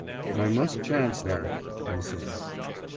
"I must chance that," I said.